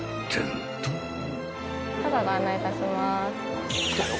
ご案内いたします。